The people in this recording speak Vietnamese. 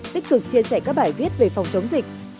tích cực chia sẻ các bài viết về phòng chống dịch